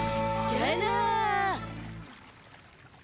じゃあな！